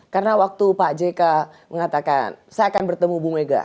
karena waktu pak jk mengatakan saya akan bertemu ibu mega